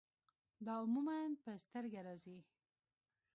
دا عموماً پۀ سترګه راځي